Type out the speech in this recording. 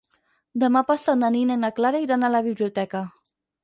Demà passat na Nina i na Clara iran a la biblioteca.